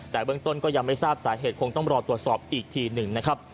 แต่เบื้องต้นก็ยังไม่ทราบสาเหตุคงต้องรอตรวจสอบอีกทีหนึ่งนะครับ